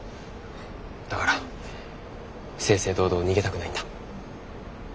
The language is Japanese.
だから正々堂々逃げたくないんだ。